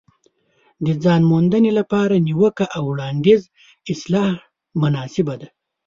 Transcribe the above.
د ځان موندنې لپاره نیوکه او وړاندیز اصطلاح مناسبه ده.